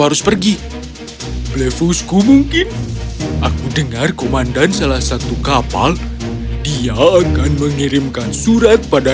harus pergi blefusku mungkin aku dengar komandan salah satu kapal dia akan mengirimkan surat pada